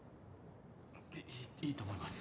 ・いいいと思います・